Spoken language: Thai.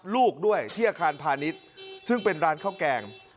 ลูกด้วยที่อาคารพาณิชย์ซึ่งเป็นร้านข้าวแกง